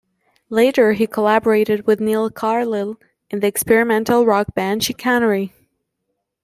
Later he collaborated with Neil Carlill in the experimental rock band Chicanery.